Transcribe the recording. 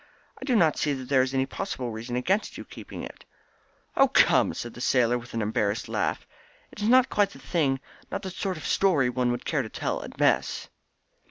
I do not see that there is any possible reason against your keeping it." "Oh, come!" said the young sailor, with an embarrassed laugh, "it is not quite the thing not the sort of story one would care to tell at mess."